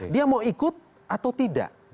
dia mau ikut atau tidak